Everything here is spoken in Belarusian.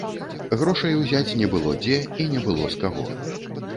Грошай узяць не было дзе і не было з каго.